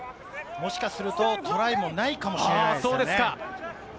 もしかすると、トライもないかもしれないですね。